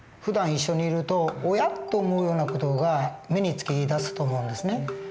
ふだん一緒にいるとおやっと思うような事が目に付きだすと思うんですね。